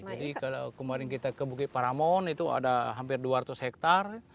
jadi kalau kemarin kita ke bukit paramon itu ada hampir dua ratus hektare